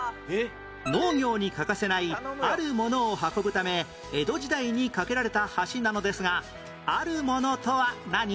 農業に欠かせないあるものを運ぶため江戸時代に架けられた橋なのですがあるものとは何？